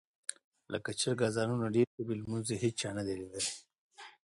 لکه چرګ اذانونه ډېر کوي لمونځ یې هېچا نه دي لیدلي.